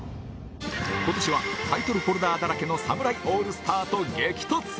今年はタイトルホルダーだらけの侍オールスターと激突